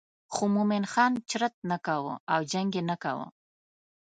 خو مومن خان چرت نه کاوه او جنګ یې نه کاوه.